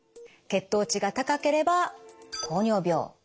血糖値が高ければ糖尿病。